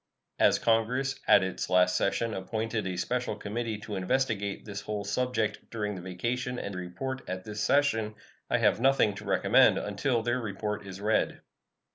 As Congress, at its last session, appointed a special committee to investigate this whole subject during the vacation and report at this session, I have nothing to recommend until their report is read.